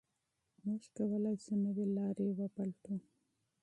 موږ کولای شو نوي لارې وپلټو.